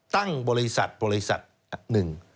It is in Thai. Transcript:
ตั้งบริษัทหนึ่ง